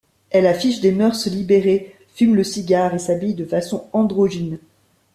Elle affiche des mœurs libérées, fume le cigare et s'habille de façon androgyne.